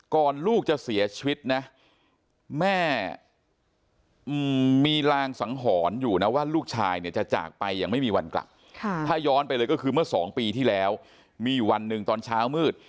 ก่อนลูกจะเสียชีวิตนะแม่อืม